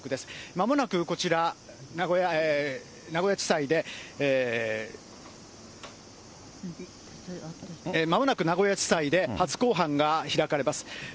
まもなくこちら、名古屋地裁で、まもなく名古屋地裁で初公判が開かれます。